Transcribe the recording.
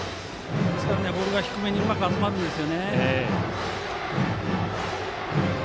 ボールが低めにうまく集まるんです。